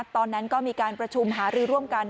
ตอนนั้นก็มีการประชุมหารือร่วมกัน